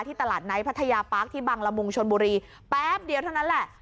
ตลาดไนท์พัทยาปาร์คที่บังละมุงชนบุรีแป๊บเดียวเท่านั้นแหละ